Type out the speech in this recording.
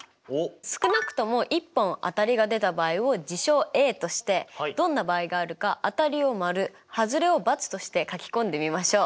少なくとも１本当たりが出た場合を事象Ａとしてどんな場合があるか当たりを○はずれを×として書き込んでみましょう。